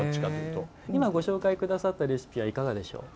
今、ご紹介くださったレシピはいかがでしょう？